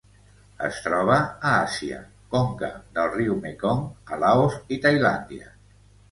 Es troba a Àsia: conca del riu Mekong a Laos i Tailàndia.